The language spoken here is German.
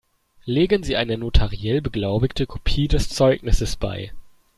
Legen Sie eine notariell beglaubigte Kopie des Zeugnisses bei.